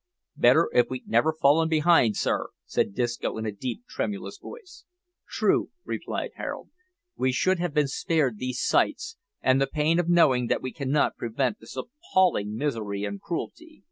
"Better if we'd never fallen behind, sir," said Disco, in a deep, tremulous voice. "True," replied Harold. "We should have been spared these sights, and the pain of knowing that we cannot prevent this appalling misery and cruelty."